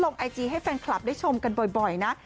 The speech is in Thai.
ไอจีให้แฟนคลับได้ชมกันบ่อยนะ